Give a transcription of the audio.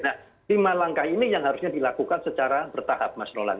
nah lima langkah ini yang harusnya dilakukan secara bertahap mas roland